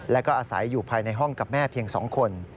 แล้วก็อาศัยอยู่ภายในห้องกับแม่เพียง๒คน